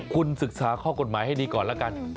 คุณศึกษาข้อกฎหมายให้ดีก่อนแล้วกัน